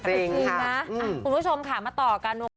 คุณผู้ชมค่ะมาต่อกัน